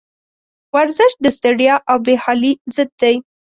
ورزش د ستړیا او بېحالي ضد دی.